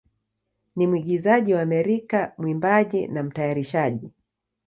ni mwigizaji wa Amerika, mwimbaji, na mtayarishaji.